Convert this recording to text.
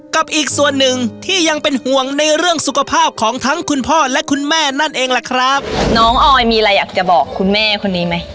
กับอีกส่วนหนึ่งที่ยังเป็นห่วงในเรื่องสุขภาพของทั้งคุณพ่อและคุณแม่นั่นเองล่ะครับน้องออยมีอะไรอยากจะบอกคุณแม่คนนี้ไหม